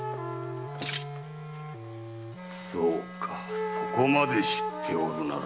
そうかそこまで知っておるなら。